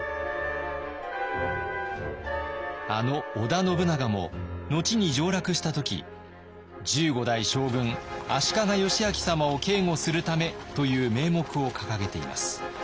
あの織田信長も後に上洛した時１５代将軍足利義昭様を警護するためという名目を掲げています。